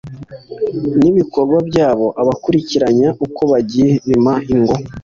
n'ibikorwa byabo abakurikiranya uko bagiye bima ingoma